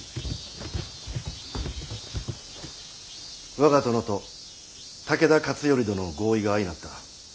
我が殿と武田勝頼殿の合意が相成った。